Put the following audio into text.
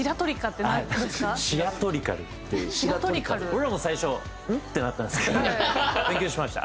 俺らも最初うん？ってなったんですけど勉強しました。